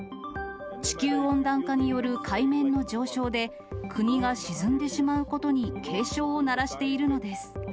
地球温暖化による海面の上昇で、国が沈んでしまうことに警鐘を鳴らしているのです。